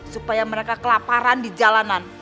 supaya mereka kelaparan di jalanan